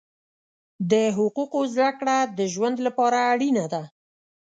د حقوقو زده کړه د ژوند لپاره اړینه ده.